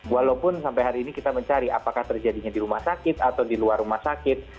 walaupun sampai hari ini kita mencari apakah terjadinya di rumah sakit atau di luar rumah sakit